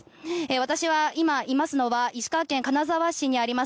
私は今、いますのは石川県金沢市にあります